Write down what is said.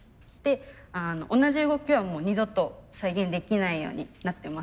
同じ動きはもう二度と再現できないようになってます。